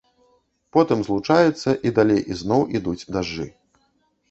Потым злучаецца, і далей ізноў ідуць дажджы.